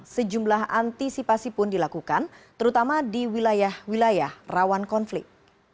sejumlah antisipasi pun dilakukan terutama di wilayah wilayah rawan konflik